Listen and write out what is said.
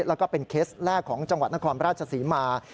แล้วก็เป็นเคสแรกของจังหวัดนครราชศรีมา